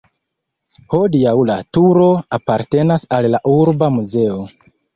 Hodiaŭ la turo apartenas al la urba muzeo.